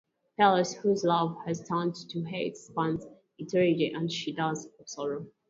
Pelleas, whose love has turned to hate, spurns Ettarde, and she dies of sorrow.